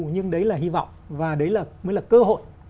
nhưng đấy là hy vọng và đấy mới là cơ hội